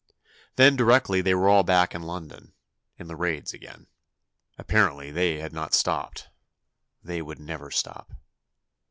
Then directly they were all back in London, in the raids again. Apparently they had not stopped ... they would never stop.